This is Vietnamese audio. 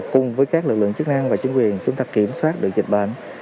cùng với các lực lượng chức năng và chính quyền chúng ta kiểm soát được dịch bệnh